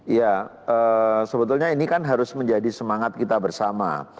ya sebetulnya ini kan harus menjadi semangat kita bersama